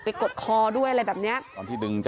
กดคอด้วยอะไรแบบนี้